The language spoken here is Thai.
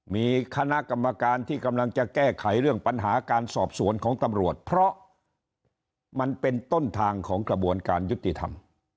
มีคณะกรรมการที่กำลังจะแก้ไขเรื่องปัญหาการสอบสวนของตำรวจเพราะมันเป็นต้นทางของกระบวนการยุติธรรม